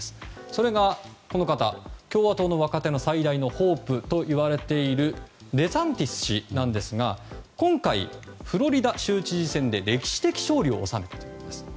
それが、共和党の若手の最大のホープといわれているデサンティス氏ですが今回、フロリダ州知事選で歴史的勝利を収めたんです。